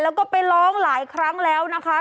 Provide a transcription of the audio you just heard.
แล้วก็ไปร้องหลายครั้งแล้วนะคะ